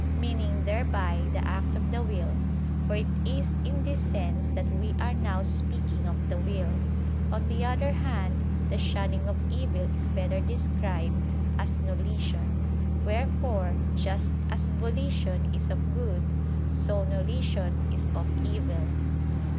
], meaning thereby the act of the will; for it is in this sense that we are now speaking of the will. On the other hand, the shunning of evil is better described as "nolition": wherefore, just as volition is of good, so nolition is of evil.